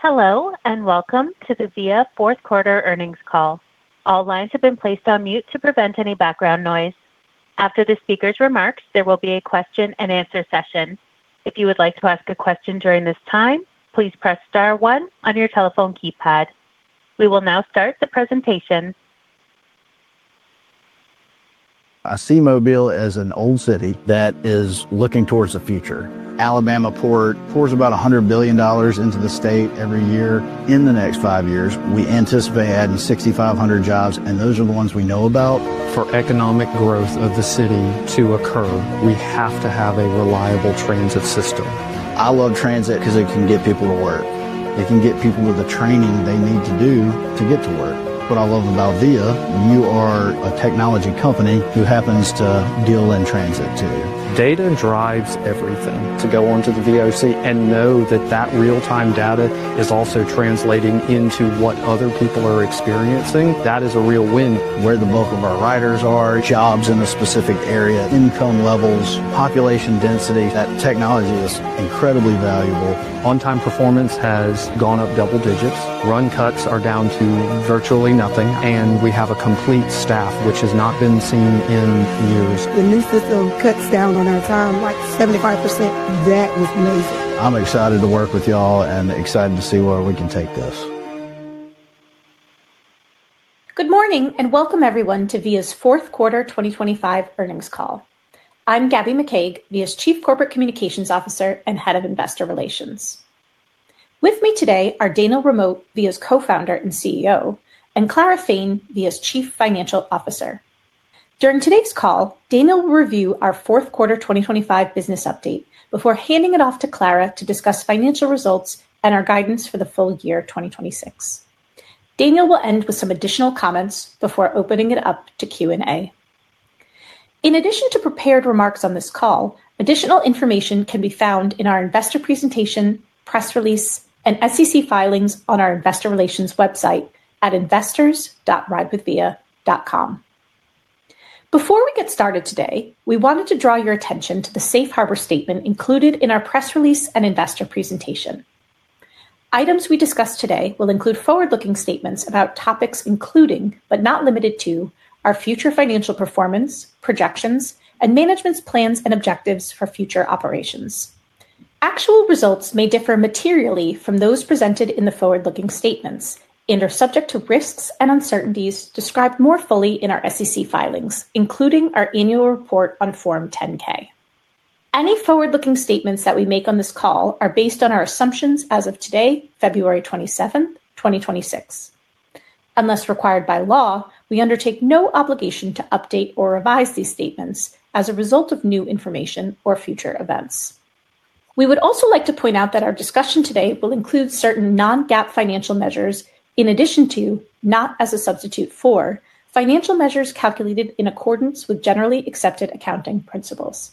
Hello, welcome to the Via fourth quarter earnings call. All lines have been placed on mute to prevent any background noise. After the speaker's remarks, there will be a question and answer session. If you would like to ask a question during this time, please press star one on your telephone keypad. We will now start the presentation. I see Mobile as an old city that is looking towards the future. Alabama Port pours about $100 billion into the state every year. In the next five years, we anticipate adding 6,500 jobs. Those are the ones we know about. For economic growth of the city to occur, we have to have a reliable transit system. I love transit 'cause it can get people to work. It can get people with the training they need to do to get to work. What I love about Via, you are a technology company who happens to deal in transit, too. Data drives everything. To go onto the VOC and know that that real-time data is also translating into what other people are experiencing, that is a real win. Where the bulk of our riders are, jobs in a specific area, income levels, population density, that technology is incredibly valuable. On-time performance has gone up double-digits. Run cuts are down to virtually nothing, and we have a complete staff, which has not been seen in years. The new system cuts down on our time, like, 75%. That was amazing! I'm excited to work with y'all and excited to see where we can take this. Good morning, and welcome everyone to Via's fourth quarter 2025 earnings call. I'm Gabby McCaig, Via's Chief Corporate Communications Officer and Head of Investor Relations. With me today are Daniel Ramot, Via's Co-founder and CEO, and Clara Fain, Via's Chief Financial Officer. During today's call, Daniel will review our fourth quarter 2025 business update before handing it off to Clara to discuss financial results and our guidance for the full year 2026. Daniel will end with some additional comments before opening it up to Q&A. In addition to prepared remarks on this call, additional information can be found in our investor presentation, press release, and SEC filings on our investor relations website at investors.ridewithvia.com. Before we get started today, we wanted to draw your attention to the Safe Harbor statement included in our press release and investor presentation. Items we discuss today will include forward-looking statements about topics including, but not limited to, our future financial performance, projections, and management's plans and objectives for future operations. Actual results may differ materially from those presented in the forward-looking statements and are subject to risks and uncertainties described more fully in our SEC filings, including our annual report on Form 10-K. Any forward-looking statements that we make on this call are based on our assumptions as of today, February 27, 2026. Unless required by law, we undertake no obligation to update or revise these statements as a result of new information or future events. We would also like to point out that our discussion today will include certain non-GAAP financial measures in addition to, not as a substitute for, financial measures calculated in accordance with generally accepted accounting principles.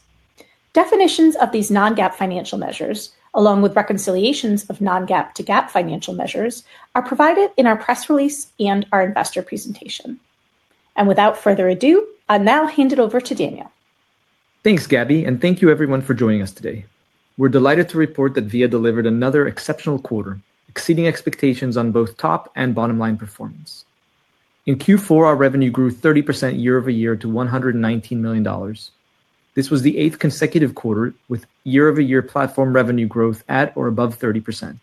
Definitions of these non-GAAP financial measures, along with reconciliations of non-GAAP to GAAP financial measures, are provided in our press release and our investor presentation. Without further ado, I'll now hand it over to Daniel. Thanks, Gabby. Thank you everyone for joining us today. We're delighted to report that Via delivered another exceptional quarter, exceeding expectations on both top and bottom line performance. In Q4, our revenue grew 30% year-over-year to $119 million. This was the 8th consecutive quarter with year-over-year platform revenue growth at or above 30%,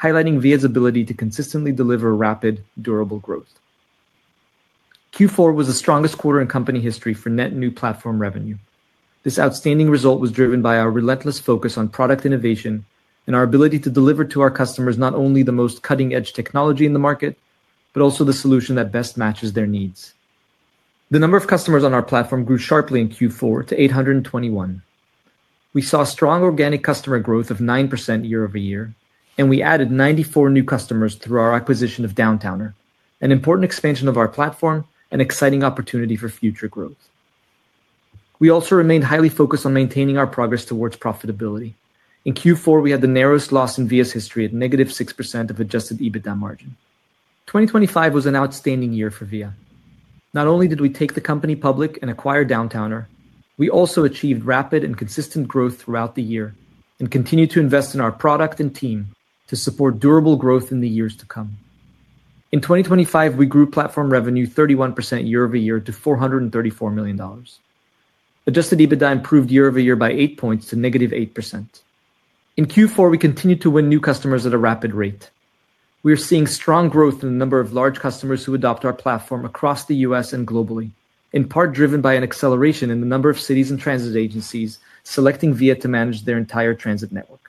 highlighting Via's ability to consistently deliver rapid, durable growth. Q4 was the strongest quarter in company history for net new platform revenue. This outstanding result was driven by our relentless focus on product innovation and our ability to deliver to our customers not only the most cutting-edge technology in the market, but also the solution that best matches their needs. The number of customers on our platform grew sharply in Q4 to 821. We saw strong organic customer growth of 9% year-over-year. We added 94 new customers through our acquisition of Downtowner, an important expansion of our platform and exciting opportunity for future growth. We also remain highly focused on maintaining our progress towards profitability. In Q4, we had the narrowest loss in Via's history at negative 6% of adjusted EBITDA margin. 2025 was an outstanding year for Via. Not only did we take the company public and acquire Downtowner, we also achieved rapid and consistent growth throughout the year and continued to invest in our product and team to support durable growth in the years to come. In 2025, we grew platform revenue 31% year-over-year to $434 million. Adjusted EBITDA improved year-over-year by 8 points to negative 8%. In Q4, we continued to win new customers at a rapid rate. We are seeing strong growth in the number of large customers who adopt our platform across the U.S. and globally, in part driven by an acceleration in the number of cities and transit agencies selecting Via to manage their entire transit network.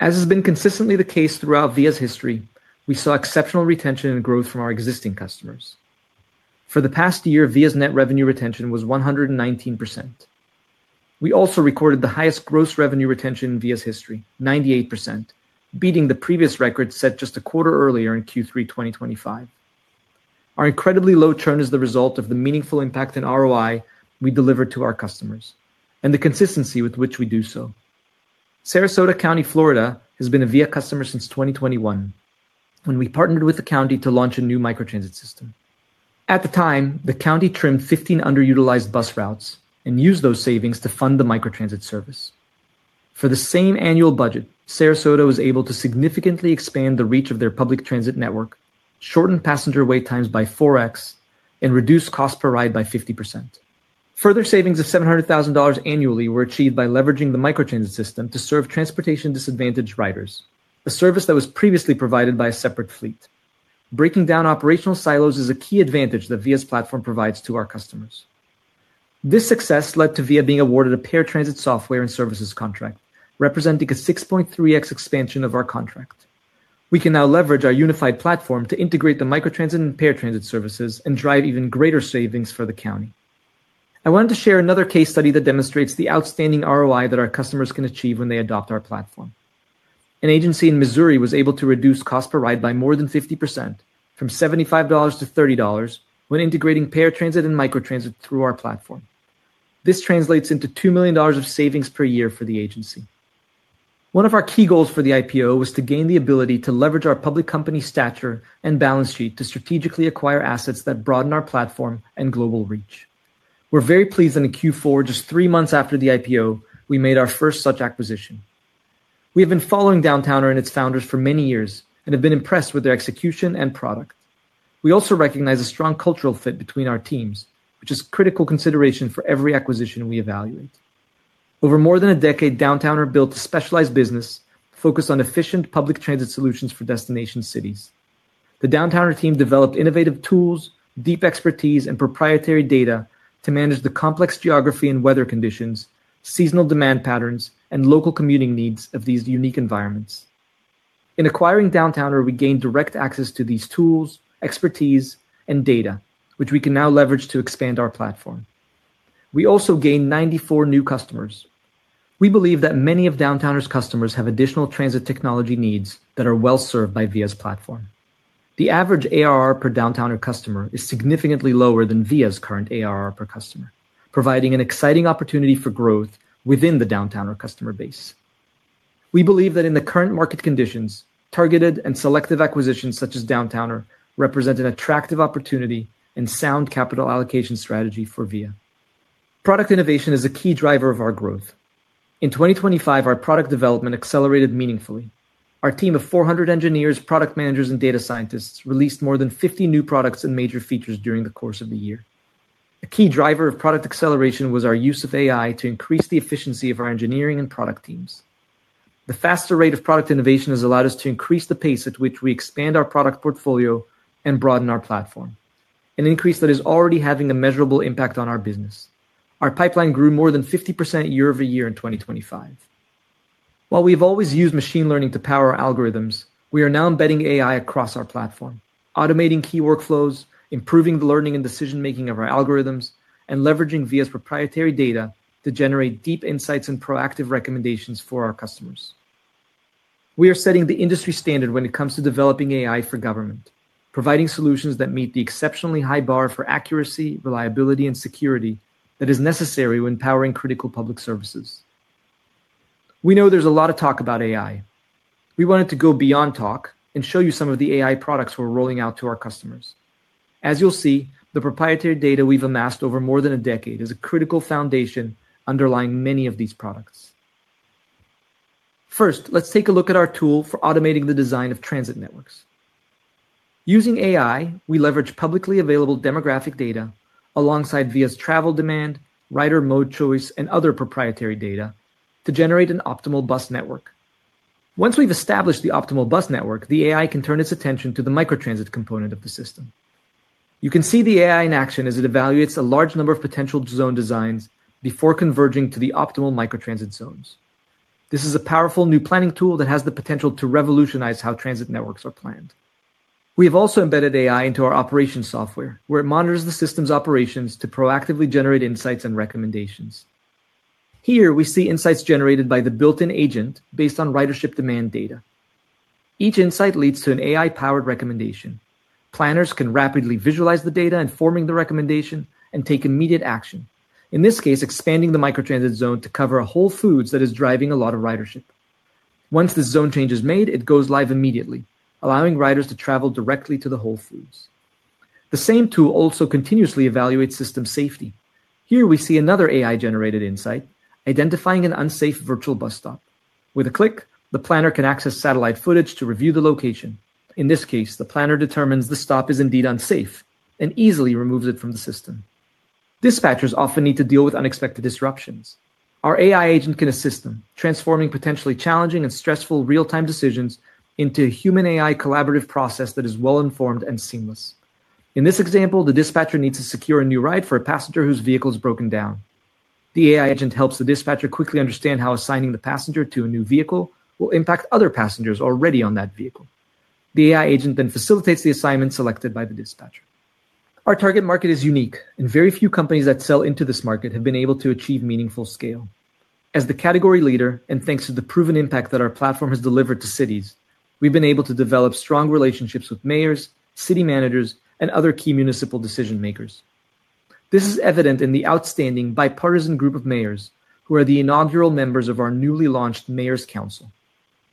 As has been consistently the case throughout Via's history, we saw exceptional retention and growth from our existing customers. For the past year, Via's net revenue retention was 119%. We also recorded the highest gross revenue retention in Via's history, 98%, beating the previous record set just a quarter earlier in Q3 2025. Our incredibly low churn is the result of the meaningful impact in ROI we deliver to our customers and the consistency with which we do so. Sarasota County, Florida, has been a Via customer since 2021, when we partnered with the county to launch a new microtransit system. At the time, the county trimmed 15 underutilized bus routes and used those savings to fund the microtransit service. For the same annual budget, Sarasota was able to significantly expand the reach of their public transit network, shorten passenger wait times by 4x, and reduce cost per ride by 50%. Further savings of $700,000 annually were achieved by leveraging the microtransit system to serve transportation-disadvantaged riders, a service that was previously provided by a separate fleet. Breaking down operational silos is a key advantage that Via's platform provides to our customers. This success led to Via being awarded a paratransit software and services contract, representing a 6.3x expansion of our contract. We can now leverage our unified platform to integrate the microtransit and paratransit services and drive even greater savings for the county. I wanted to share another case study that demonstrates the outstanding ROI that our customers can achieve when they adopt our platform. An agency in Missouri was able to reduce cost per ride by more than 50%, from $75 to $30, when integrating paratransit and microtransit through our platform. This translates into $2 million of savings per year for the agency. One of our key goals for the IPO was to gain the ability to leverage our public company stature and balance sheet to strategically acquire assets that broaden our platform and global reach. We're very pleased that in Q4, just three months after the IPO, we made our first such acquisition. We have been following Downtowner and its founders for many years and have been impressed with their execution and product. We also recognize a strong cultural fit between our teams, which is critical consideration for every acquisition we evaluate. Over more than a decade, Downtowner built a specialized business focused on efficient public transit solutions for destination cities. The Downtowner team developed innovative tools, deep expertise, and proprietary data to manage the complex geography and weather conditions, seasonal demand patterns, and local commuting needs of these unique environments. In acquiring Downtowner, we gained direct access to these tools, expertise, and data, which we can now leverage to expand our platform. We also gained 94 new customers. We believe that many of Downtowner's customers have additional transit technology needs that are well served by Via's platform. The average ARR per Downtowner customer is significantly lower than Via's current ARR per customer, providing an exciting opportunity for growth within the Downtowner customer base. We believe that in the current market conditions, targeted and selective acquisitions such as Downtowner represent an attractive opportunity and sound capital allocation strategy for Via. Product innovation is a key driver of our growth. In 2025, our product development accelerated meaningfully. Our team of 400 engineers, product managers, and data scientists released more than 50 new products and major features during the course of the year. A key driver of product acceleration was our use of AI to increase the efficiency of our engineering and product teams. The faster rate of product innovation has allowed us to increase the pace at which we expand our product portfolio and broaden our platform, an increase that is already having a measurable impact on our business. Our pipeline grew more than 50% year over year in 2025. While we've always used machine learning to power our algorithms, we are now embedding AI across our platform, automating key workflows, improving the learning and decision-making of our algorithms, and leveraging Via's proprietary data to generate deep insights and proactive recommendations for our customers. We are setting the industry standard when it comes to developing AI for government, providing solutions that meet the exceptionally high bar for accuracy, reliability, and security that is necessary when powering critical public services. We know there's a lot of talk about AI. We wanted to go beyond talk and show you some of the AI products we're rolling out to our customers. As you'll see, the proprietary data we've amassed over more than a decade is a critical foundation underlying many of these products. First, let's take a look at our tool for automating the design of transit networks. Using AI, we leverage publicly available demographic data alongside Via's travel demand, rider mode choice, and other proprietary data to generate an optimal bus network. Once we've established the optimal bus network, the AI can turn its attention to the microtransit component of the system. You can see the AI in action as it evaluates a large number of potential zone designs before converging to the optimal microtransit zones. This is a powerful new planning tool that has the potential to revolutionize how transit networks are planned. We have also embedded AI into our operations software, where it monitors the system's operations to proactively generate insights and recommendations. Here, we see insights generated by the built-in agent based on ridership demand data. Each insight leads to an AI-powered recommendation. Planners can rapidly visualize the data, informing the recommendation and take immediate action. In this case, expanding the microtransit zone to cover a Whole Foods that is driving a lot of ridership. Once the zone change is made, it goes live immediately, allowing riders to travel directly to the Whole Foods. The same tool also continuously evaluates system safety. Here we see another AI-generated insight, identifying an unsafe virtual bus stop. With a click, the planner can access satellite footage to review the location. In this case, the planner determines the stop is indeed unsafe and easily removes it from the system. Dispatchers often need to deal with unexpected disruptions. Our AI agent can assist them, transforming potentially challenging and stressful real-time decisions into a human-AI collaborative process that is well-informed and seamless. In this example, the dispatcher needs to secure a new ride for a passenger whose vehicle is broken down. The AI agent helps the dispatcher quickly understand how assigning the passenger to a new vehicle will impact other passengers already on that vehicle. The AI agent then facilitates the assignment selected by the dispatcher. Our target market is unique, very few companies that sell into this market have been able to achieve meaningful scale. As the category leader, thanks to the proven impact that our platform has delivered to cities, we've been able to develop strong relationships with mayors, city managers, and other key municipal decision-makers. This is evident in the outstanding bipartisan group of mayors who are the inaugural members of our newly launched Mayors Council.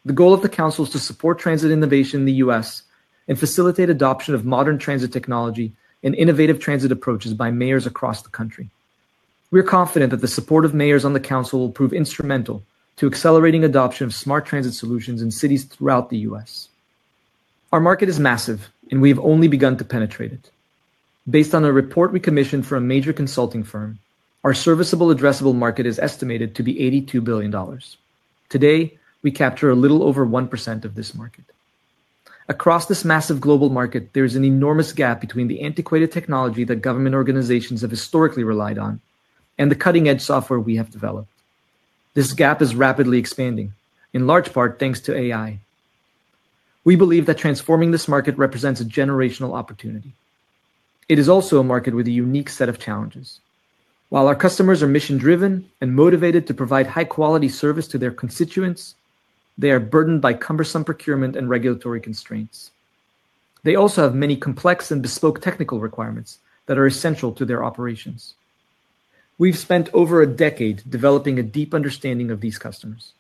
The goal of the council is to support transit innovation in the U.S. and facilitate adoption of modern transit technology and innovative transit approaches by mayors across the country. We are confident that the support of mayors on the council will prove instrumental to accelerating adoption of smart transit solutions in cities throughout the U.S. Our market is massive, and we've only begun to penetrate it. Based on a report we commissioned from a major consulting firm, our serviceable addressable market is estimated to be $82 billion. Today, we capture a little over 1% of this market. Across this massive global market, there is an enormous gap between the antiquated technology that government organizations have historically relied on and the cutting-edge software we have developed. This gap is rapidly expanding, in large part, thanks to AI. We believe that transforming this market represents a generational opportunity. It is also a market with a unique set of challenges. While our customers are mission-driven and motivated to provide high-quality service to their constituents, they are burdened by cumbersome procurement and regulatory constraints. They also have many complex and bespoke technical requirements that are essential to their operations. We've spent over a decade developing a deep understanding of these customers.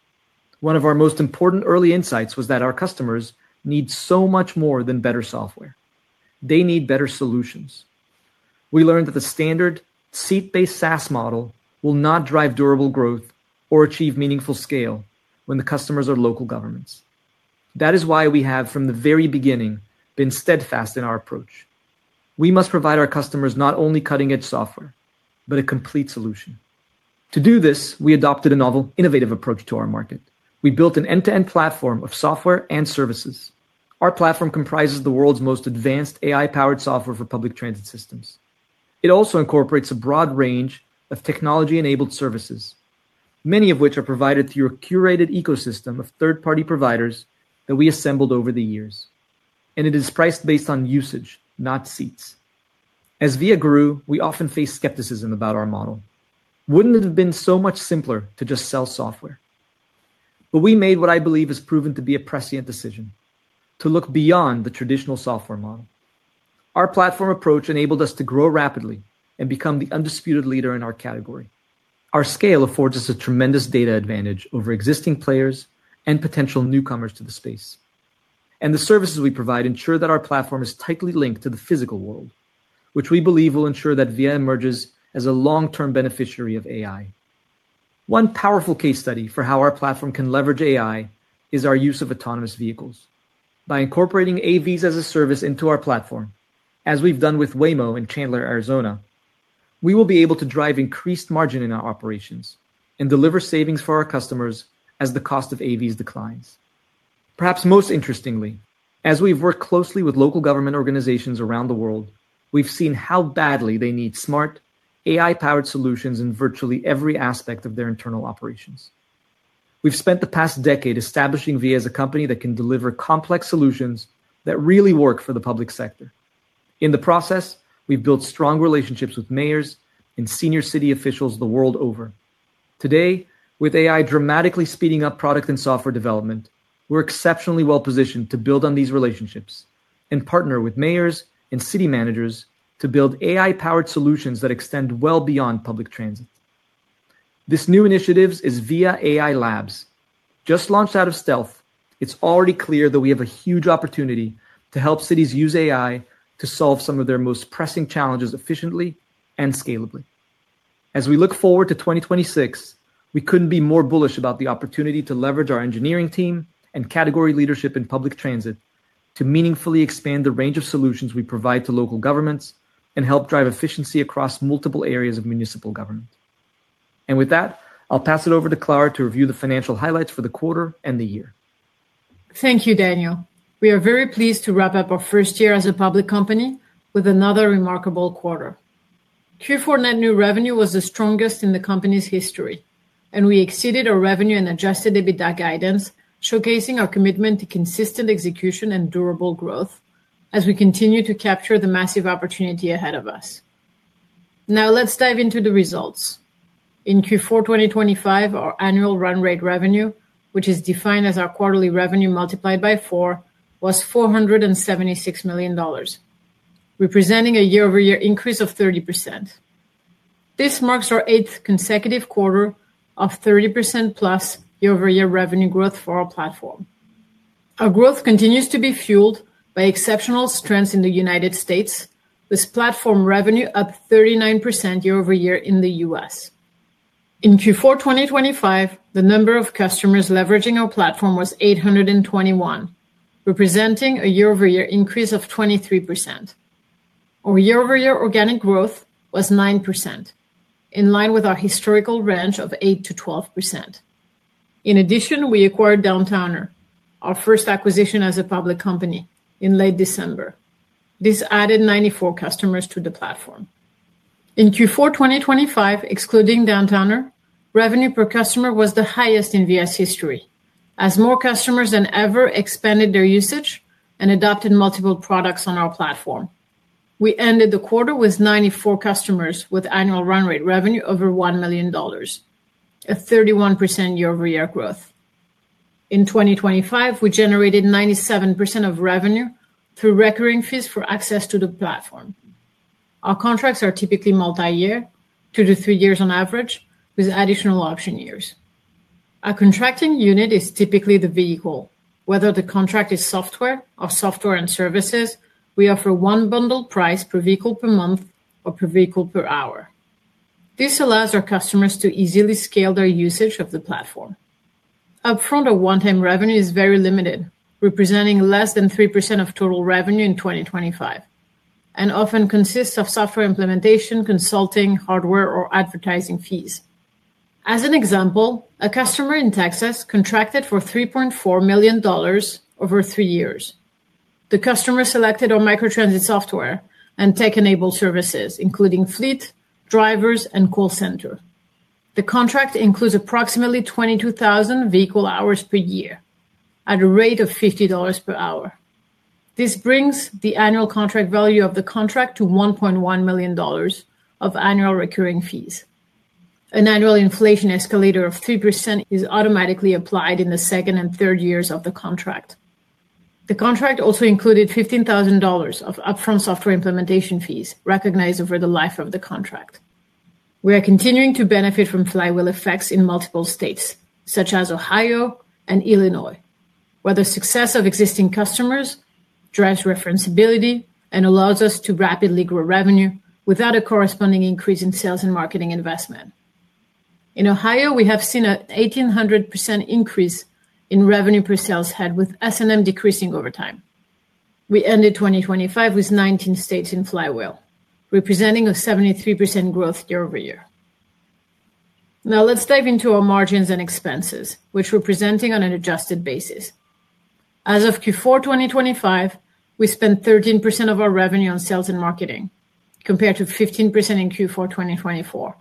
One of our most important early insights was that our customers need so much more than better software. They need better solutions. We learned that the standard seat-based SaaS model will not drive durable growth or achieve meaningful scale when the customers are local governments. That is why we have, from the very beginning, been steadfast in our approach. We must provide our customers not only cutting-edge software, but a complete solution. To do this, we adopted a novel, innovative approach to our market. We built an end-to-end platform of software and services. Our platform comprises the world's most advanced AI-powered software for public transit systems. It also incorporates a broad range of technology-enabled services, many of which are provided through a curated ecosystem of third-party providers that we assembled over the years. It is priced based on usage, not seats. As Via grew, we often faced skepticism about our model. Wouldn't it have been so much simpler to just sell software? We made what I believe has proven to be a prescient decision, to look beyond the traditional software model. Our platform approach enabled us to grow rapidly and become the undisputed leader in our category. Our scale affords us a tremendous data advantage over existing players and potential newcomers to the space. The services we provide ensure that our platform is tightly linked to the physical world, which we believe will ensure that Via emerges as a long-term beneficiary of AI. One powerful case study for how our platform can leverage AI is our use of autonomous vehicles. By incorporating AVs as a service into our platform, as we've done with Waymo in Chandler, Arizona, we will be able to drive increased margin in our operations and deliver savings for our customers as the cost of AVs declines. Perhaps most interestingly, as we've worked closely with local government organizations around the world, we've seen how badly they need smart, AI-powered solutions in virtually every aspect of their internal operations. We've spent the past decade establishing Via as a company that can deliver complex solutions that really work for the public sector. In the process, we've built strong relationships with mayors and senior city officials the world over. Today, with AI dramatically speeding up product and software development, we're exceptionally well-positioned to build on these relationships and partner with mayors and city managers to build AI-powered solutions that extend well beyond public transit. This new initiatives is Via AI Labs. Just launched out of stealth, it's already clear that we have a huge opportunity to help cities use AI to solve some of their most pressing challenges efficiently and scalably. As we look forward to 2026, we couldn't be more bullish about the opportunity to leverage our engineering team and category leadership in public transit to meaningfully expand the range of solutions we provide to local governments and help drive efficiency across multiple areas of municipal government. With that, I'll pass it over to Clara to review the financial highlights for the quarter and the year. Thank you, Daniel. We are very pleased to wrap up our first year as a public company with another remarkable quarter. Q4 net new revenue was the strongest in the company's history, and we exceeded our revenue and adjusted EBITDA guidance, showcasing our commitment to consistent execution and durable growth as we continue to capture the massive opportunity ahead of us. Now, let's dive into the results. In Q4 2025, our annual run rate revenue, which is defined as our quarterly revenue multiplied by four, was $476 million, representing a year-over-year increase of 30%. This marks our eighth consecutive quarter of 30%+ year-over-year revenue growth for our platform. Our growth continues to be fueled by exceptional strengths in the United States, with platform revenue up 39% year-over-year in the US. In Q4 2025, the number of customers leveraging our platform was 821, representing a year-over-year increase of 23%. Our year-over-year organic growth was 9%, in line with our historical range of 8%-12%. In addition, we acquired Downtowner, our first acquisition as a public company, in late December. This added 94 customers to the platform. In Q4 2025, excluding Downtowner, revenue per customer was the highest in Via's history, as more customers than ever expanded their usage and adopted multiple products on our platform. We ended the quarter with 94 customers, with annual run rate revenue over $1 million, a 31% year-over-year growth. In 2025, we generated 97% of revenue through recurring fees for access to the platform. Our contracts are typically multi-year, 2-3 years on average, with additional option years. Our contracting unit is typically the vehicle. Whether the contract is software or software and services, we offer one bundled price per vehicle per month or per vehicle per hour. This allows our customers to easily scale their usage of the platform. Upfront or one-time revenue is very limited, representing less than 3% of total revenue in 2025, and often consists of software implementation, consulting, hardware, or advertising fees. As an example, a customer in Texas contracted for $3.4 million over three years. The customer selected our microtransit software and tech-enabled services, including fleet, drivers, and call center. The contract includes approximately 22,000 vehicle hours per year at a rate of $50 per hour. This brings the annual contract value of the contract to $1.1 million of annual recurring fees. An annual inflation escalator of 3% is automatically applied in the second and third years of the contract. The contract also included $15,000 of upfront software implementation fees recognized over the life of the contract. We are continuing to benefit from flywheel effects in multiple states, such as Ohio and Illinois, where the success of existing customers drives referenceability and allows us to rapidly grow revenue without a corresponding increase in sales and marketing investment. In Ohio, we have seen an 1,800% increase in revenue per sales head, with S&M decreasing over time. We ended 2025 with 19 states in flywheel, representing a 73% growth year-over-year. Let's dive into our margins and expenses, which we're presenting on an adjusted basis. As of Q4 2025, we spent 13% of our revenue on sales and marketing, compared to 15% in Q4 2024.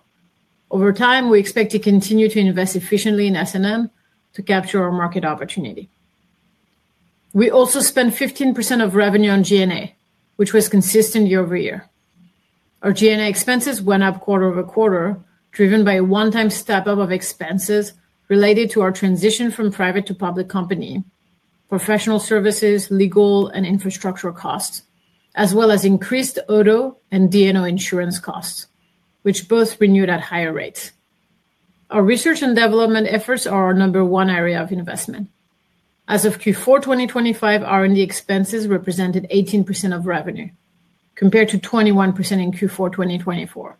Over time, we expect to continue to invest efficiently in S&M to capture our market opportunity. We also spent 15% of revenue on G&A, which was consistent year-over-year. Our G&A expenses went up quarter-over-quarter, driven by a one-time step-up of expenses related to our transition from private to public company, professional services, legal and infrastructure costs, as well as increased auto and D&O insurance costs, which both renewed at higher rates. Our research and development efforts are our number one area of investment. As of Q4 2025, R&D expenses represented 18% of revenue, compared to 21% in Q4 2024.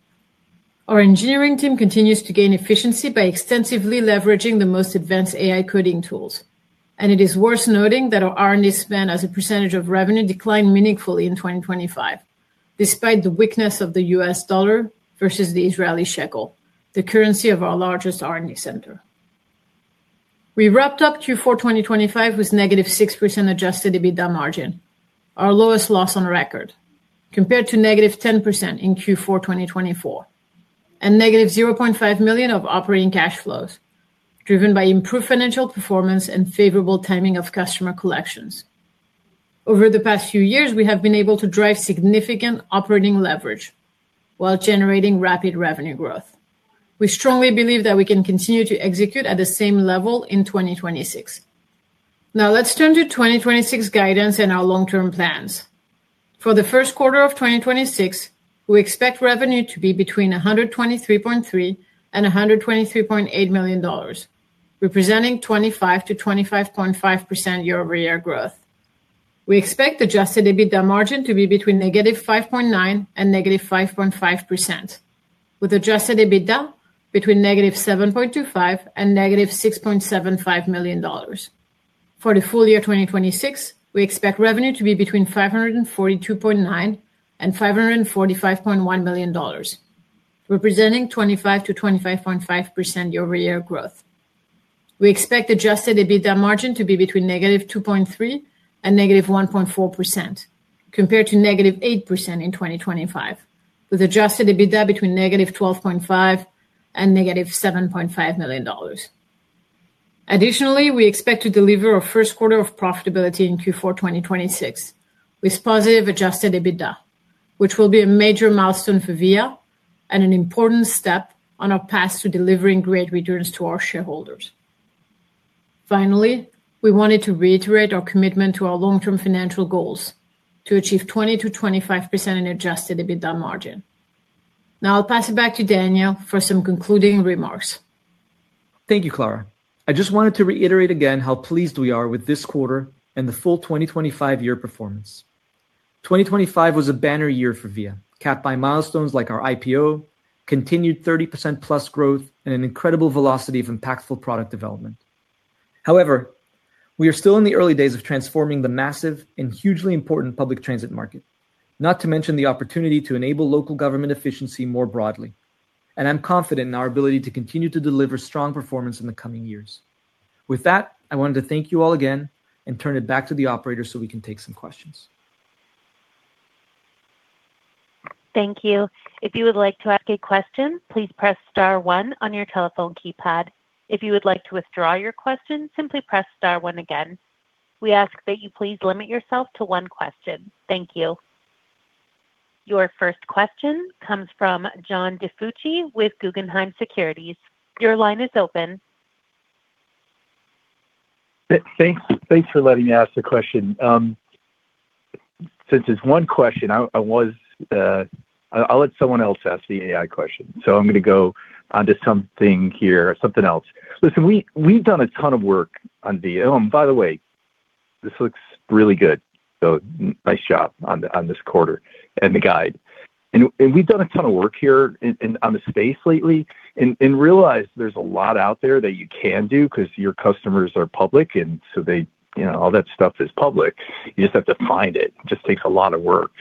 Our engineering team continues to gain efficiency by extensively leveraging the most advanced AI coding tools. It is worth noting that our R&D spend as a percentage of revenue declined meaningfully in 2025, despite the weakness of the US dollar versus the Israeli shekel, the currency of our largest R&D center. We wrapped up Q4 2025 with -6% adjusted EBITDA margin, our lowest loss on record, compared to -10% in Q4 2024, and -$0.5 million of operating cash flows, driven by improved financial performance and favorable timing of customer collections. Over the past few years, we have been able to drive significant operating leverage while generating rapid revenue growth. We strongly believe that we can continue to execute at the same level in 2026. Let's turn to 2026 guidance and our long-term plans. For the first quarter of 2026, we expect revenue to be between $123.3 million and $123.8 million, representing 25%-25.5% year-over-year growth. We expect adjusted EBITDA margin to be between -5.9% and -5.5%, with adjusted EBITDA between -$7.25 million and -$6.75 million. For the full year 2026, we expect revenue to be between $542.9 million and $545.1 million, representing 25%-25.5% year-over-year growth. We expect adjusted EBITDA margin to be between -2.3% and -1.4%, compared to -8% in 2025, with adjusted EBITDA between -$12.5 million and -$7.5 million. Additionally, we expect to deliver our first quarter of profitability in Q4 2026, with positive adjusted EBITDA, which will be a major milestone for Via and an important step on our path to delivering great returns to our shareholders. Finally, we wanted to reiterate our commitment to our long-term financial goals to achieve 20%-25% in adjusted EBITDA margin. Now I'll pass it back to Daniel for some concluding remarks. Thank you, Clara. I just wanted to reiterate again how pleased we are with this quarter and the full 2025 year performance. 2025 was a banner year for Via, capped by milestones like our IPO, continued 30% plus growth, and an incredible velocity of impactful product development. However, we are still in the early days of transforming the massive and hugely important public transit market, not to mention the opportunity to enable local government efficiency more broadly, and I'm confident in our ability to continue to deliver strong performance in the coming years. With that, I wanted to thank you all again and turn it back to the operator so we can take some questions. Thank you. If you would like to ask a question, please press star 1 on your telephone keypad. If you would like to withdraw your question, simply press star 1 again. We ask that you please limit yourself to 1 question. Thank you. Your first question comes from John DiFucci with Guggenheim Securities. Your line is open. Thanks, thanks for letting me ask the question. Since it's one question, I'll let someone else ask the AI question. I'm going to go onto something here, something else. Listen, we've done a ton of work on Via. By the way, this looks really good, so nice job on this quarter and the guide. We've done a ton of work here on the space lately and realize there's a lot out there that you can do because your customers are public, and so they, you know, all that stuff is public. You just have to find it. It just takes a lot of work.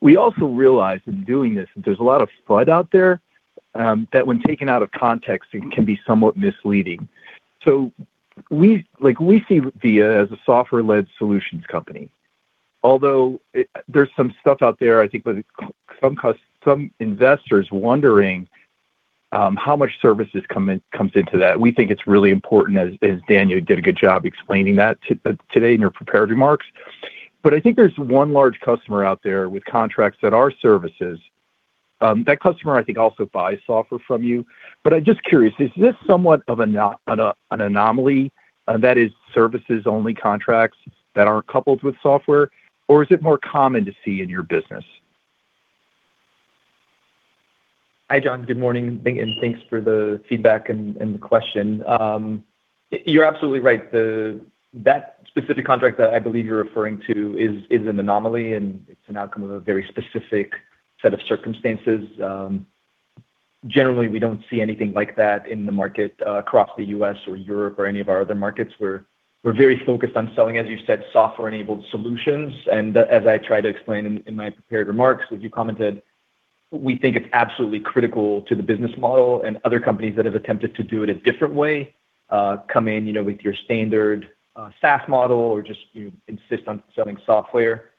We also realized in doing this, that there's a lot of FUD out there, that when taken out of context, it can be somewhat misleading. Like, we see Via as a software-led solutions company, although there's some stuff out there, I think, with some investors wondering, how much services comes into that. We think it's really important, as Daniel did a good job explaining that today in your prepared remarks. I think there's one large customer out there with contracts that are services. That customer, I think, also buys software from you. I'm just curious, is this somewhat of an anomaly, and that is services-only contracts that are coupled with software, or is it more common to see in your business? Hi, John. Good morning, and thanks for the feedback and the question. You're absolutely right. That specific contract that I believe you're referring to is an anomaly, and it's an outcome of a very specific set of circumstances. Generally, we don't see anything like that in the market, across the U.S. or Europe or any of our other markets. We're very focused on selling, as you said, software-enabled solutions. As I tried to explain in my prepared remarks, as you commented, we think it's absolutely critical to the business model and other companies that have attempted to do it a different way, come in, you know, with your standard SaaS model or just, you insist on selling software.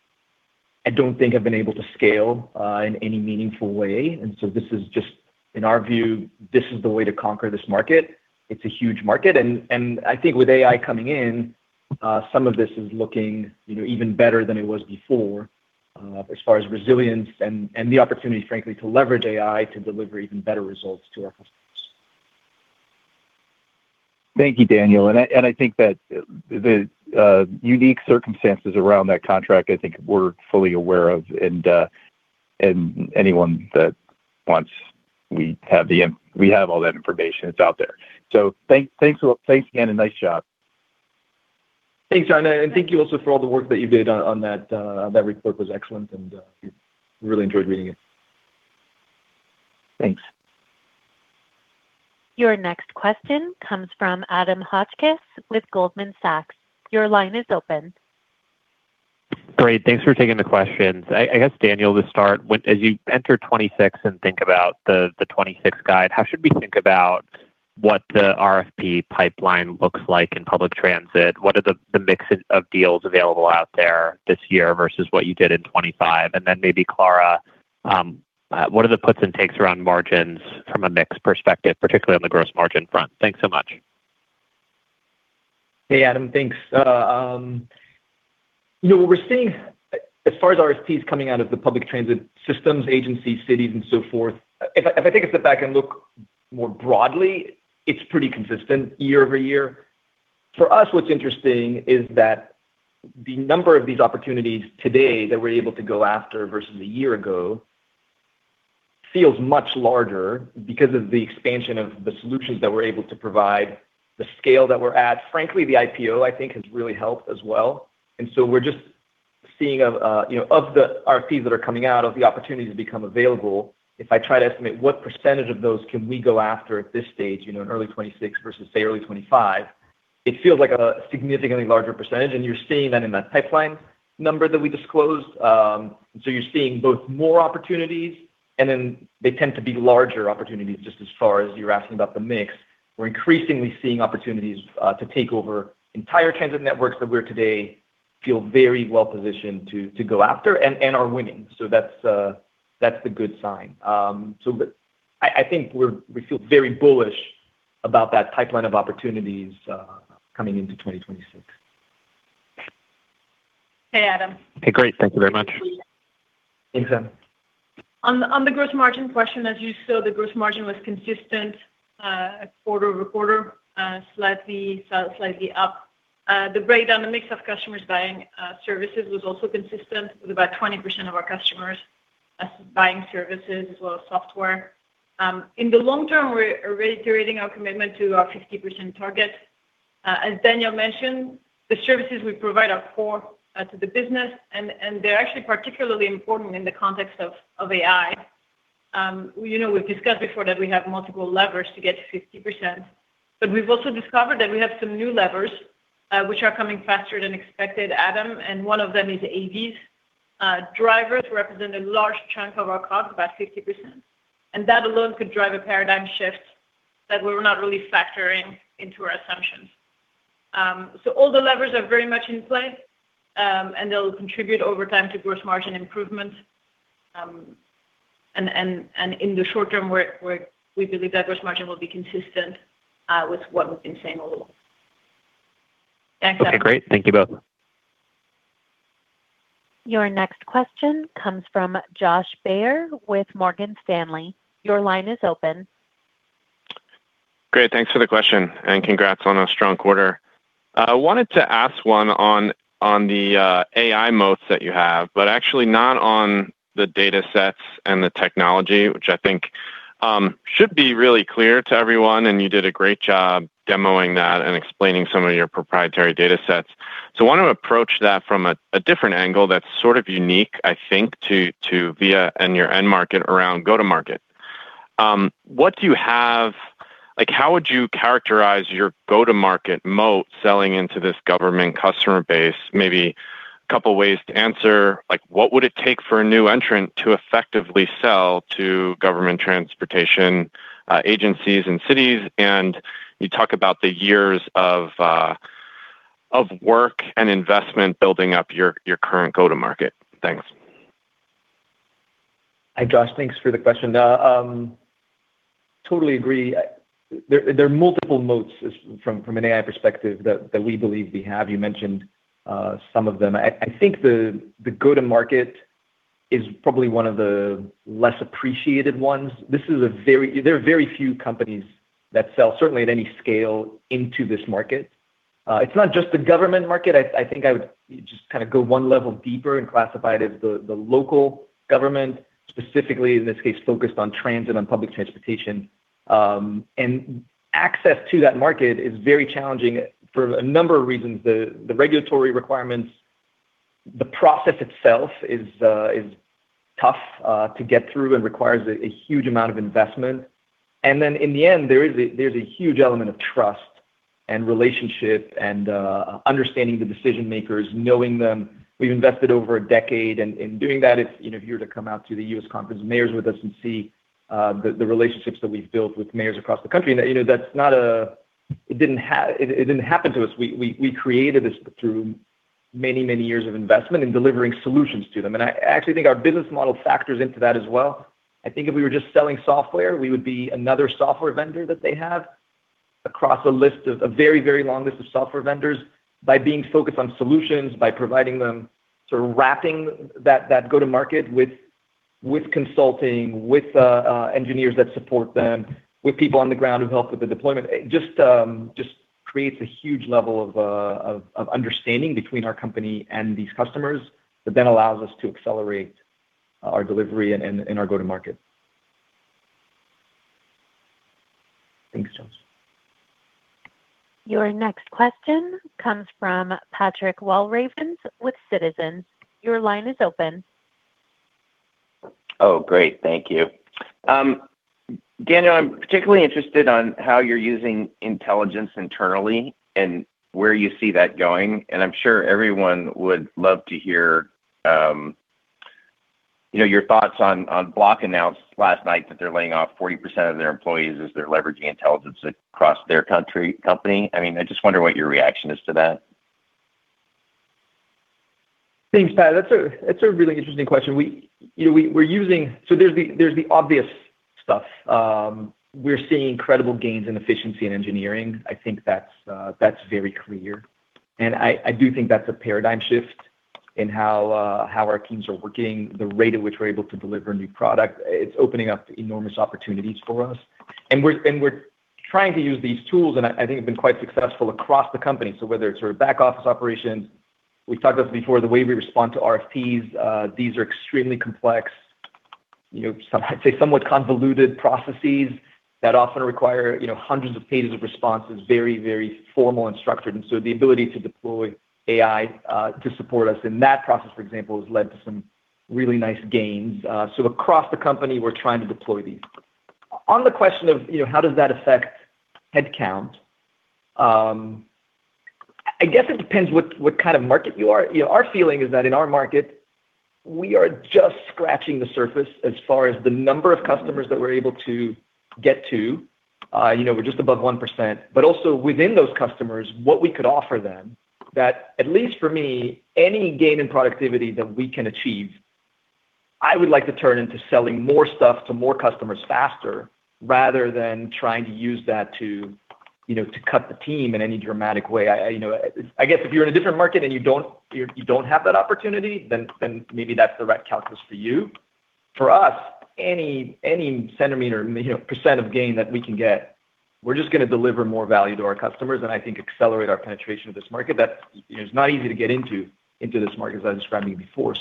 I don't think I've been able to scale in any meaningful way. This is just, in our view, this is the way to conquer this market. It's a huge market. I think with AI coming in, some of this is looking, you know, even better than it was before, as far as resilience and the opportunity, frankly, to leverage AI to deliver even better results to our customers. Thank you, Daniel. I think that the unique circumstances around that contract, I think we're fully aware of, and anyone that wants, we have all that information, it's out there. Thanks a lot. Thanks again. Nice job. Thanks, John, and thank you also for all the work that you did on that. That report was excellent, really enjoyed reading it. Thanks. Your next question comes from Adam Hotchkiss with Goldman Sachs. Your line is open. Great. Thanks for taking the questions. I guess, Daniel, to start, as you enter 2026 and think about the 2026 guide, how should we think about what the RFP pipeline looks like in public transit? What are the mix of deals available out there this year versus what you did in 2025? Maybe, Clara, what are the puts and takes around margins from a mix perspective, particularly on the gross margin front? Thanks so much. Hey, Adam. Thanks. You know, what we're seeing as far as RFPs coming out of the public transit systems, agencies, cities, and so forth, if I take a step back and look more broadly, it's pretty consistent year-over-year. For us, what's interesting is that the number of these opportunities today that we're able to go after versus a year ago feels much larger because of the expansion of the solutions that we're able to provide, the scale that we're at. Frankly, the IPO, I think, has really helped as well. We're just seeing of, you know, of the RFPs that are coming out, of the opportunities to become available, if I try to estimate what % of those can we go after at this stage, you know, in early 26 versus, say, early 25, it feels like a significantly larger %, and you're seeing that in that pipeline number that we disclosed. You're seeing both more opportunities, and then they tend to be larger opportunities, just as far as you're asking about the mix. We're increasingly seeing opportunities, to take over entire transit networks that we're today feel very well positioned to go after and are winning. That's, that's the good sign. I think we feel very bullish about that pipeline of opportunities, coming into 2026. Hey, Adam. Hey, great. Thank you very much. Thanks, Adam. On the, on the gross margin question, as you saw, the gross margin was consistent, quarter-over-quarter, slightly up. The breakdown, the mix of customers buying services was also consistent with about 20% of our customers buying services as well as software. In the long term, we're reiterating our commitment to our 50% target. As Daniel mentioned, the services we provide are core to the business, and they're actually particularly important in the context of AI. You know, we've discussed before that we have multiple levers to get to 50%, but we've also discovered that we have some new levers, which are coming faster than expected, Adam, and one of them is AVs. Drivers represent a large chunk of our cost, about 50%, and that alone could drive a paradigm shift that we were not really factoring into our assumptions. All the levers are very much in play, and they'll contribute over time to gross margin improvement. In the short term, we believe that gross margin will be consistent with what we've been saying all along. Okay, great. Thank you both. Your next question comes from Josh Baer with Morgan Stanley. Your line is open. Great. Thanks for the question. Congrats on a strong quarter. I wanted to ask one on the AI moats that you have, but actually not on the data sets and the technology, which I think should be really clear to everyone, and you did a great job demoing that and explaining some of your proprietary data sets. I want to approach that from a different angle that's sort of unique, I think, to Via and your end market around go-to-market. Like, how would you characterize your go-to-market moat selling into this government customer base? Maybe a couple ways to answer, like, what would it take for a new entrant to effectively sell to government transportation agencies and cities? You talk about the years of work and investment building up your current go-to-market. Thanks. Hi, Josh. Thanks for the question. Totally agree. There are multiple moats from an AI perspective that we believe we have. You mentioned some of them. I think the go-to-market is probably one of the less appreciated ones. There are very few companies that sell, certainly at any scale, into this market. It's not just the government market. I think I would just kind of go one level deeper and classify it as the local government, specifically, in this case, focused on transit and public transportation. Access to that market is very challenging for a number of reasons. The regulatory requirements, the process itself is tough to get through and requires a huge amount of investment. In the end, there's a huge element of trust and relationship and understanding the decision makers, knowing them. We've invested over a decade, in doing that, if, you know, if you were to come out to the U.S. Conference of Mayors with us and see the relationships that we've built with mayors across the country, and that, you know, it didn't happen to us. We created this through many, many years of investment in delivering solutions to them. I actually think our business model factors into that as well. I think if we were just selling software, we would be another software vendor that they have across a very, very long list of software vendors. By being focused on solutions, by providing them sort of wrapping that go-to-market with consulting, with engineers that support them, with people on the ground who help with the deployment, it just creates a huge level of understanding between our company and these customers that then allows us to accelerate our delivery and our go-to-market. Thanks, Josh. Your next question comes from Patrick Walravens with Citizens. Your line is open. Oh, great. Thank you. Daniel, I'm particularly interested on how you're using intelligence internally and where you see that going, and I'm sure everyone would love to hear, you know, your thoughts on Block announced last night that they're laying off 40% of their employees as they're leveraging intelligence across their company. I mean, I just wonder what your reaction is to that? Thanks, Pat. That's a really interesting question. There's the obvious stuff. We're seeing incredible gains in efficiency and engineering. I think that's very clear. I do think that's a paradigm shift in how our teams are working, the rate at which we're able to deliver a new product. It's opening up enormous opportunities for us. We're trying to use these tools, and I think have been quite successful across the company. Whether it's our back office operations, we've talked about this before, the way we respond to RFPs, these are extremely complex, you know, I'd say, somewhat convoluted processes that often require, you know, hundreds of pages of responses, very, very formal and structured. The ability to deploy AI to support us in that process, for example, has led to some really nice gains. Across the company, we're trying to deploy these. On the question of, you know, how does that affect headcount, I guess it depends what kind of market you are. You know, our feeling is that in our market, we are just scratching the surface as far as the number of customers that we're able to get to. You know, we're just above 1%, but also within those customers, what we could offer them, that, at least for me, any gain in productivity that we can achieve, I would like to turn into selling more stuff to more customers faster, rather than trying to use that to, you know, to cut the team in any dramatic way. You know, I guess if you're in a different market and you don't have that opportunity, then maybe that's the right calculus for you. For us, any centimeter, you know, % of gain that we can get, we're just gonna deliver more value to our customers and I think accelerate our penetration of this market that, you know, is not easy to get into this market, as I described to you before.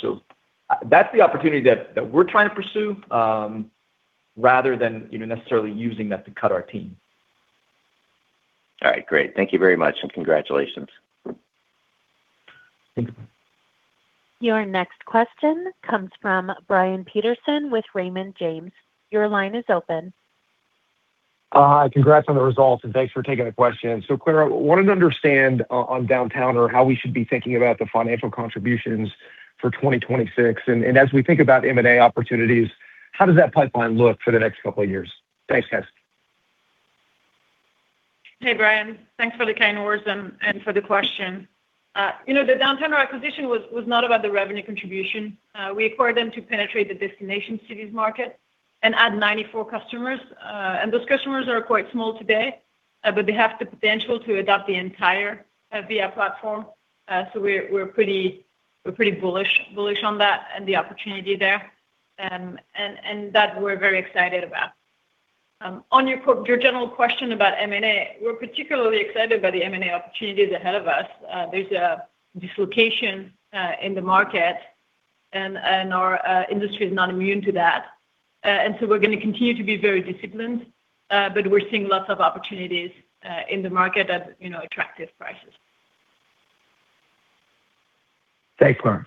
That's the opportunity that we're trying to pursue, rather than, you know, necessarily using that to cut our team. All right, great. Thank you very much, and congratulations. Thanks. Your next question comes from Brian Peterson with Raymond James. Your line is open. Hi. Congrats on the results, thanks for taking the question. Clara, I wanted to understand on Downtown how we should be thinking about the financial contributions for 2026. As we think about M&A opportunities, how does that pipeline look for the next couple of years? Thanks, guys. Hey, Brian. Thanks for the kind words and for the question. You know, the Downtowner acquisition was not about the revenue contribution. We acquired them to penetrate the destination cities market and add 94 customers. Those customers are quite small today, but they have the potential to adopt the entire Via platform. We're pretty bullish on that and the opportunity there. That we're very excited about. On your general question about M&A, we're particularly excited by the M&A opportunities ahead of us. There's a dislocation in the market and our industry is not immune to that. We're going to continue to be very disciplined, but we're seeing lots of opportunities in the market at, you know, attractive prices. Thanks, Clara.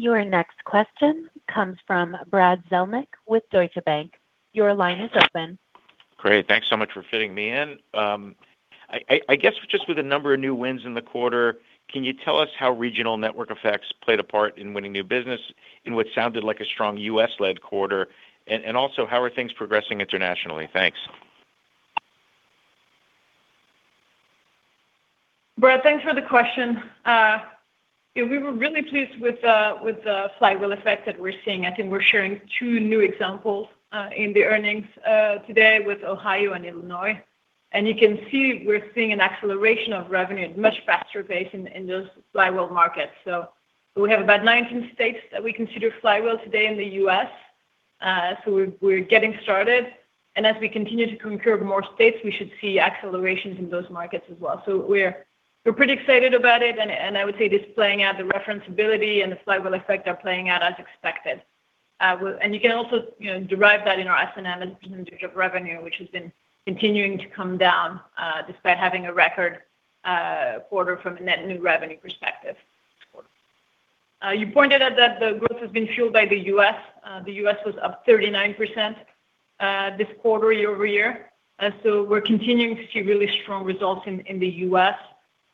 Your next question comes from Brad Zelnick with Deutsche Bank. Your line is open. Great. Thanks so much for fitting me in. I guess just with a number of new wins in the quarter, can you tell us how regional network effects played a part in winning new business in what sounded like a strong U.S.-led quarter? Also, how are things progressing internationally? Thanks. Brad, thanks for the question. Yeah, we were really pleased with the flywheel effect that we're seeing. I think we're sharing two new examples in the earnings today with Ohio and Illinois. You can see we're seeing an acceleration of revenue at a much faster pace in those flywheel markets. We have about 19 states that we consider flywheel today in the U.S. We're getting started, and as we continue to conquer more states, we should see accelerations in those markets as well. We're pretty excited about it, and I would say this playing out, the reference ability and the flywheel effect are playing out as expected. Well, you can also, you know, derive that in our S&M percentage of revenue, which has been continuing to come down, despite having a record quarter from a net new revenue perspective. You pointed out that the growth has been fueled by the U.S. The U.S. was up 39% this quarter year-over-year. We're continuing to see really strong results in the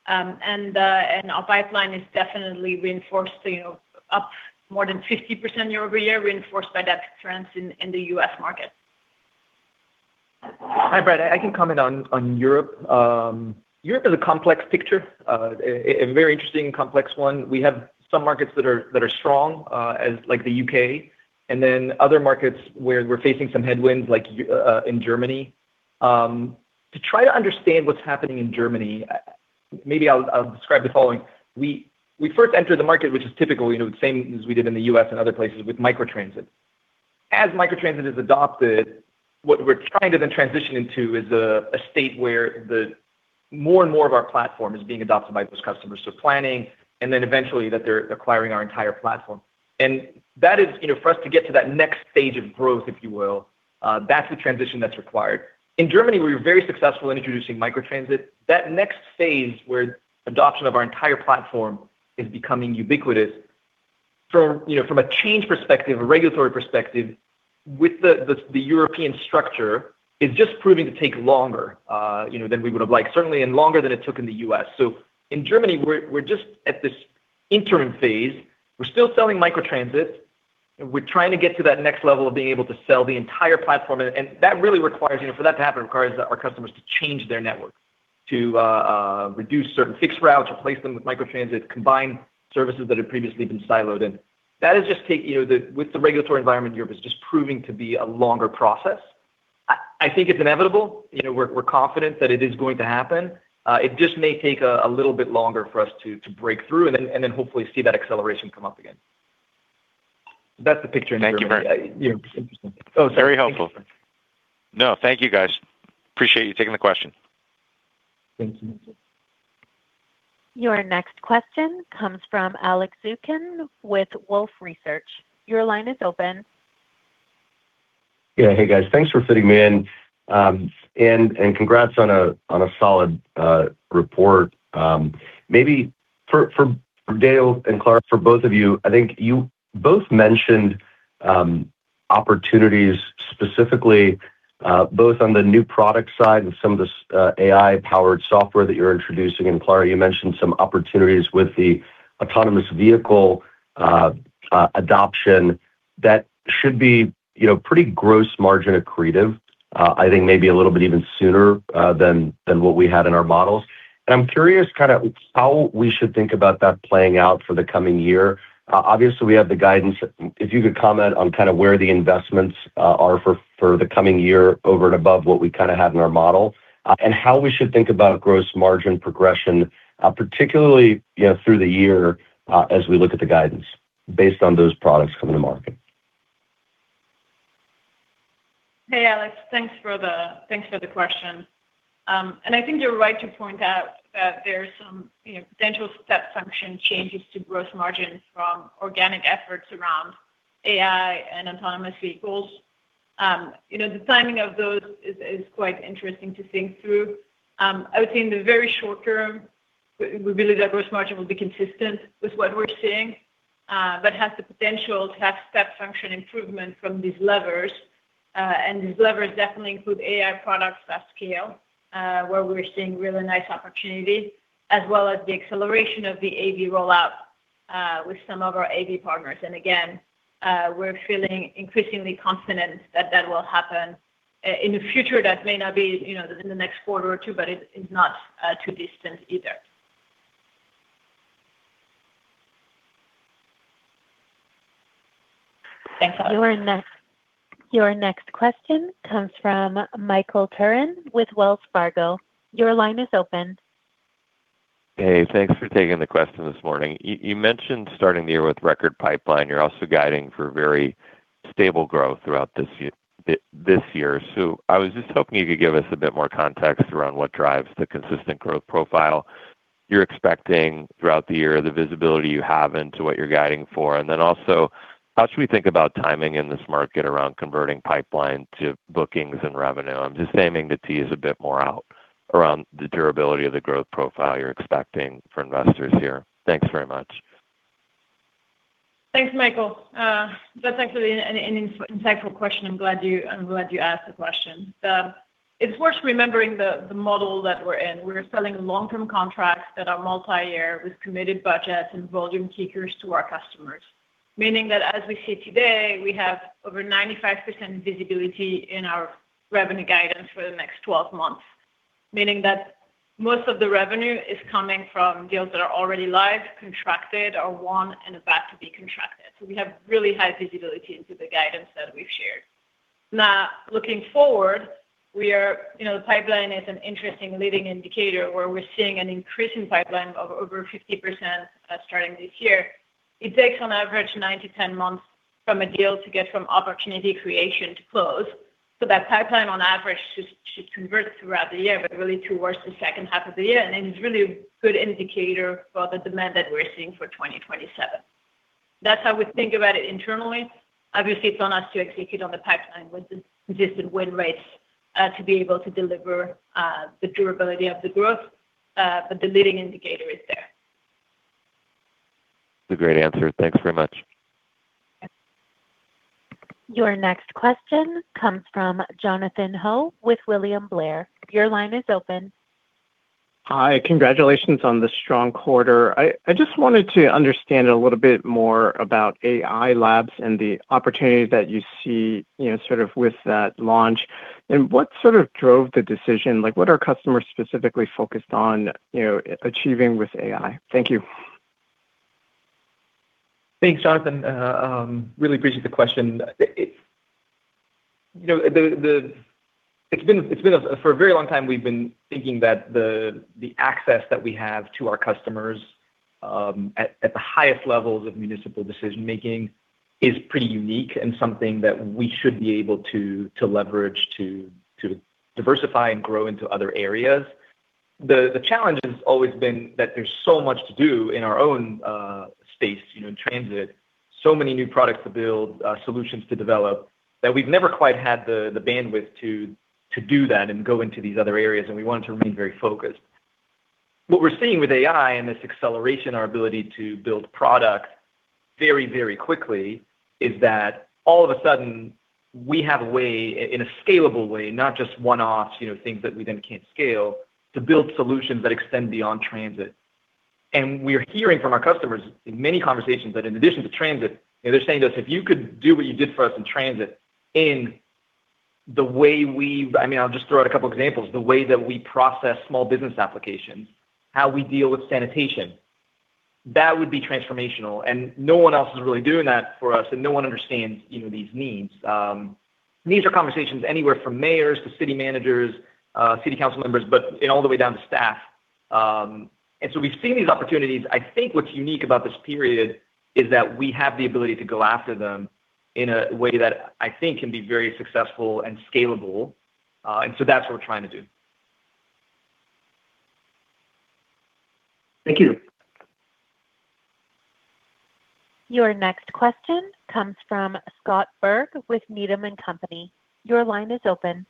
U.S. Our pipeline is definitely reinforced, you know, up more than 50% year-over-year, reinforced by that trend in the U.S. market. Hi, Brad. I can comment on Europe. Europe is a complex picture, a very interesting, complex one. We have some markets that are strong, as like the UK, and then other markets where we're facing some headwinds, like, in Germany. To try to understand what's happening in Germany, maybe I'll describe the following: we first entered the market, which is typical, you know, the same as we did in the US and other places with microtransit. As microtransit is adopted, what we're trying to then transition into is a state where the more and more of our platform is being adopted by those customers. Planning, and then eventually that they're acquiring our entire platform. That is, you know, for us to get to that next stage of growth, if you will, that's the transition that's required. In Germany, we were very successful in introducing microtransit. That next phase, where adoption of our entire platform is becoming ubiquitous from, you know, from a change perspective, a regulatory perspective with the, the European structure, is just proving to take longer, you know, than we would have liked. Certainly, longer than it took in the U.S. In Germany, we're just at this interim phase. We're still selling microtransit, and we're trying to get to that next level of being able to sell the entire platform. That really requires, you know, for that to happen, requires our customers to change their network, to, reduce certain fixed routes, replace them with microtransit, combine services that had previously been siloed in. That is just take, you know, with the regulatory environment, Europe is just proving to be a longer process. I think it's inevitable. You know, we're confident that it is going to happen. It just may take a little bit longer for us to break through and then, and then hopefully see that acceleration come up again. That's the picture- Thank you very- Yeah. Very helpful. No, thank you, guys. Appreciate you taking the question. Thank you. Your next question comes from Alex Zukin with Wolfe Research. Your line is open. Yeah. Hey, guys. Thanks for fitting me in. And congrats on a solid report. Maybe for Dale and Clara, for both of you, I think you both mentioned opportunities, specifically, both on the new product side and some of this AI-powered software that you're introducing. Clara, you mentioned some opportunities with the autonomous vehicle adoption. That should be, you know, pretty gross margin accretive, I think maybe a little bit even sooner than what we had in our models. I'm curious kind of how we should think about that playing out for the coming year. Obviously, we have the guidance. If you could comment on kind of where the investments are for the coming year over and above what we kind of have in our model, and how we should think about gross margin progression, particularly, you know, through the year, as we look at the guidance based on those products coming to market. Hey, Alex. Thanks for the question. I think you're right to point out that there are some, you know, potential step function changes to gross margins from organic efforts around AI and autonomous vehicles. You know, the timing of those is quite interesting to think through. I would say in the very short term, we believe that gross margin will be consistent with what we're seeing, but has the potential to have step function improvement from these levers. These levers definitely include AI products at scale, where we're seeing really nice opportunities, as well as the acceleration of the AV rollout with some of our AV partners. Again, we're feeling increasingly confident that that will happen in the future. That may not be, you know, in the next quarter or two, but it is not too distant either. Thanks. Your next question comes from Michael Curran with Wells Fargo. Your line is open. Hey, thanks for taking the question this morning. You mentioned starting the year with record pipeline. You're also guiding for very stable growth throughout this year. I was just hoping you could give us a bit more context around what drives the consistent growth profile you're expecting throughout the year, the visibility you have into what you're guiding for. How should we think about timing in this market around converting pipeline to bookings and revenue? I'm just aiming to tease a bit more out around the durability of the growth profile you're expecting for investors here. Thanks very much. Thanks, Michael. That's actually an insightful question. I'm glad you asked the question. It's worth remembering the model that we're in. We're selling long-term contracts that are multi-year with committed budgets and volume kickers to our customers. Meaning that as we see today, we have over 95% visibility in our revenue guidance for the next 12 months. Meaning that most of the revenue is coming from deals that are already live, contracted, or won, and about to be contracted. We have really high visibility into the guidance that we've shared. Now, looking forward, you know, the pipeline is an interesting leading indicator, where we're seeing an increase in pipeline of over 50%, starting this year. It takes, on average, 9-10 months from a deal to get from opportunity creation to close. That pipeline, on average, should convert throughout the year, but really towards the second half of the year. It's really a good indicator for the demand that we're seeing for 2027. That's how we think about it internally. Obviously, it's on us to execute on the pipeline with the existing win rates to be able to deliver the durability of the growth, but the leading indicator is there. It's a great answer. Thanks very much. Your next question comes from Jonathan Ho with William Blair. Your line is open. Hi. Congratulations on the strong quarter. I just wanted to understand a little bit more about AI labs and the opportunities that you see, you know, sort of with that launch. What sort of drove the decision? Like, what are customers specifically focused on, you know, achieving with AI? Thank you. Thanks, Jonathan. Really appreciate the question. You know, it's been a very long time, we've been thinking that the access that we have to our customers, at the highest levels of municipal decision-making is pretty unique and something that we should be able to leverage to diversify and grow into other areas. The challenge has always been that there's so much to do in our own space, you know, in transit. Many new products to build, solutions to develop, that we've never quite had the bandwidth to do that and go into these other areas, and we wanted to remain very focused. What we're seeing with AI and this acceleration, our ability to build product very, very quickly, is that all of a sudden, we have a way, in a scalable way, not just one-offs, you know, things that we then can't scale, to build solutions that extend beyond transit. We're hearing from our customers in many conversations that in addition to transit, they're saying to us, "If you could do what you did for us in transit," I mean, I'll just throw out a couple examples. "The way that we process small business applications, how we deal with sanitation, that would be transformational, and no one else is really doing that for us, and no one understands, you know, these needs." These are conversations anywhere from mayors to city managers, city council members, all the way down to staff. We've seen these opportunities. I think what's unique about this period is that we have the ability to go after them in a way that I think can be very successful and scalable. That's what we're trying to do. Thank you. Your next question comes from Scott Berg with Needham and Company. Your line is open.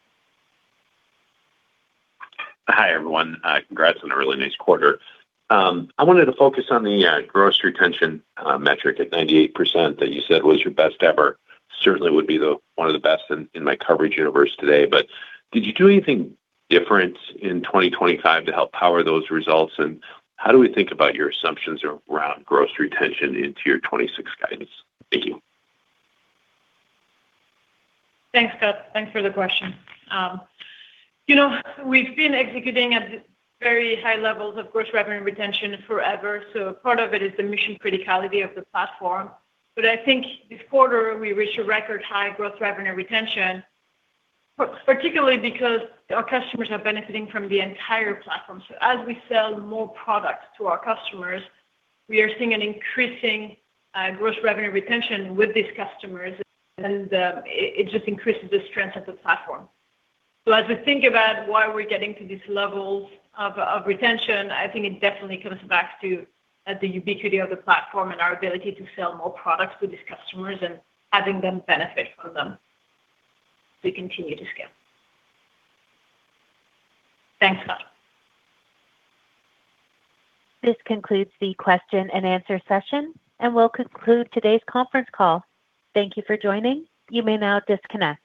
Hi, everyone. Congrats on a really nice quarter. I wanted to focus on the gross retention metric at 98% that you said was your best ever. Certainly would be the one of the best in my coverage universe today. Did you do anything different in 2025 to help power those results? How do we think about your assumptions around gross retention into your 2026 guidance? Thank you. Thanks, Scott. Thanks for the question. you know, we've been executing at very high levels of gross revenue retention forever. Part of it is the mission criticality of the platform. I think this quarter we reached a record high growth revenue retention, particularly because our customers are benefiting from the entire platform. As we sell more products to our customers, we are seeing an increasing gross revenue retention with these customers, and it just increases the strength of the platform. As we think about why we're getting to these levels of retention, I think it definitely comes back to the ubiquity of the platform and our ability to sell more products to these customers and having them benefit from them as we continue to scale. Thanks, Scott. This concludes the question and answer session. We'll conclude today's conference call. Thank you for joining. You may now disconnect.